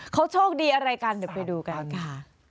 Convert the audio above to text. เขาโชคดีอะไรกันเดี๋ยวไปดูกันค่ะ